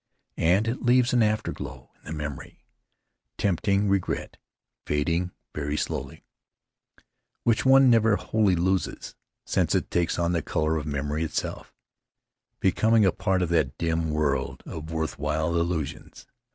And it leaves an afterglow in the memory, tempering regret, fading very slowly; which one never wholly loses since it takes on the color of memory itself, becoming a part of that dim world of worth while illusions.